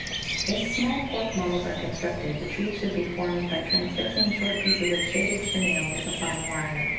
If small cork models are constructed, the trees should be formed by transfixing short pieces of shaded chenille with a fine wire